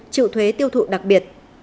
triệu thuế tiêu thụ đặc biệt